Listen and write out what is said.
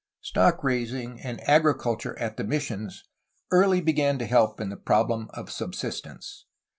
Stock raising and agriculture at the missions early began to help in the problem of subsistence.